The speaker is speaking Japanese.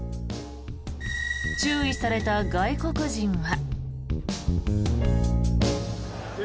注意された外国人は。